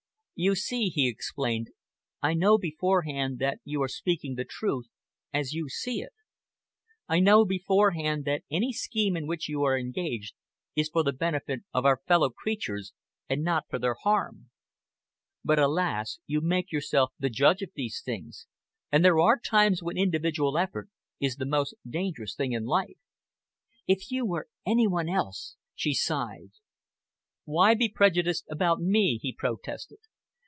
"You see," he explained, "I know beforehand that you are speaking the truth as you see it. I know beforehand that any scheme in which you are engaged is for the benefit of our fellow creatures and not for their harm. But alas! you make yourself the judge of these things, and there are times when individual effort is the most dangerous thing in life." "If you were any one else!" she sighed. "Why be prejudiced about me?" he protested.